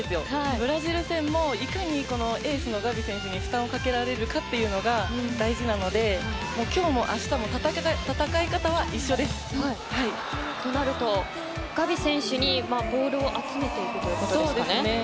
ブラジル戦も、いかにエースのガビ選手に負担をかけられるかというのが大事なので今日もあしたもとなると、ガビ選手にボールを集めていくということですかね。